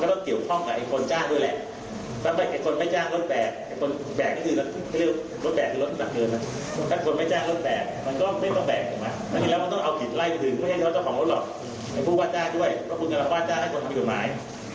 ก็พึงรับวาดได้ให้มีกฎหมาย